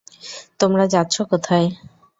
তোমরা যাচ্ছ কোথায়?